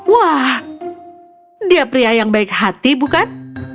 wah dia pria yang baik hati bukan